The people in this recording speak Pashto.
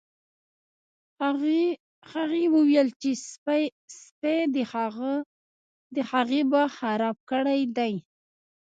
هغې وویل چې سپي د هغې باغ خراب کړی دی